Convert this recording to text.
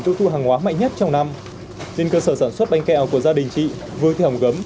tu thu hàng hóa mạnh nhất trong năm nên cơ sở sản xuất bánh kẹo của gia đình chị vương thị hồng gấm